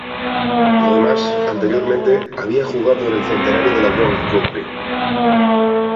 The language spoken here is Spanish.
Además anteriormente había jugado en el centenario de la World Rugby.